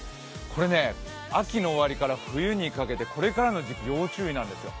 これね、秋の終わりから冬にかけてこれからの時期、要注意なんですよ